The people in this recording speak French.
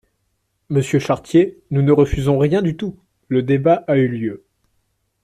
Monsieur Chartier, nous ne refusons rien du tout : le débat a eu lieu.